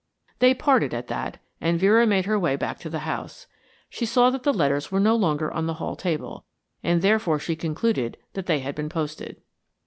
They parted at that, and Vera made her way back to the house. She saw that the letters were no longer on the hall table, and therefore she concluded that they had been posted.